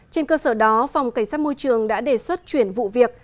trên cơ sở đó phòng cảnh sát môi trường đã đề xuất chuyển vụ việc